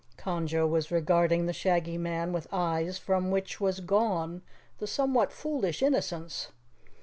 Conjo was regarding the Shaggy Man with eyes from which was gone the somewhat foolish innocence.